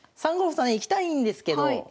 ３五歩とねいきたいんですけど